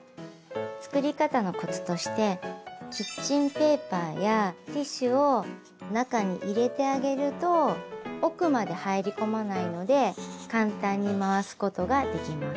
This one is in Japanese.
作り方のコツとしてキッチンペーパーやティッシュを中に入れてあげると奥まで入り込まないので簡単に回すことができます。